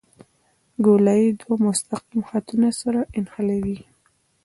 ګولایي دوه مستقیم خطونه سره نښلوي